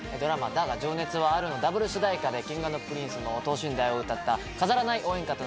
だが、情熱はある』のダブル主題歌でＫｉｎｇ＆Ｐｒｉｎｃｅの等身大を歌った飾らない応援歌となっております。